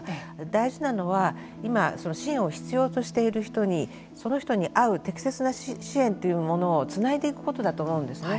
大事なのは、今支援を必要としている人にその人に合う適切な支援というものをつないでいくことだと思うんですね。